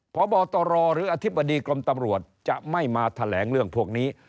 พบตรหรืออธิบดีกรมตำรวจจะไม่มาแถลงเรื่องพวกนี้